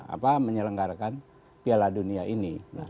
apa menyelenggarakan piala dunia ini